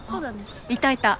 あいたいた。